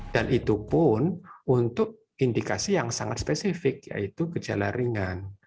dan itu pun untuk indikasi yang sangat spesifik yaitu gejala ringan